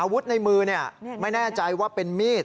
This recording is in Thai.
อาวุธในมือไม่แน่ใจว่าเป็นมีด